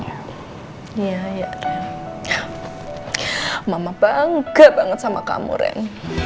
mbak catherine aku bangga banget sama kamu ren